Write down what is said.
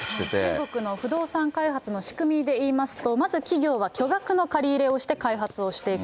中国の不動産開発の仕組みでいいますと、まず企業は巨額の借り入れをして開発をしていく。